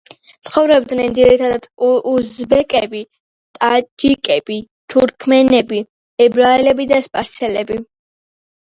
ცხოვრობდნენ ძირითადად უზბეკები, ტაჯიკები, თურქმენები, ებრაელები და სპარსელები.